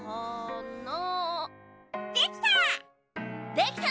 できた！